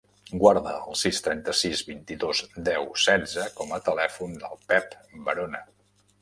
Guarda el sis, trenta-sis, vint-i-dos, deu, setze com a telèfon del Pep Varona.